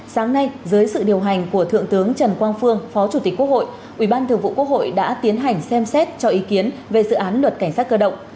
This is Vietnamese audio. sáng nay dưới sự điều hành của thượng tướng trần quang phương phó chủ tịch quốc hội ủy ban thường vụ quốc hội đã tiến hành xem xét cho ý kiến về dự án luật cảnh sát cơ động